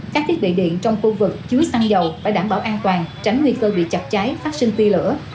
các thiết bị điện trong khu vực chứa xăng dầu phải đảm bảo an toàn tránh nguy cơ bị chặt cháy phát sinh ti lửa